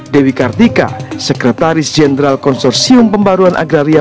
dewi kartika sekretaris jenderal konsorsium pembaruan agraria